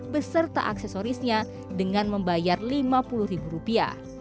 beserta aksesorisnya dengan membayar lima puluh ribu rupiah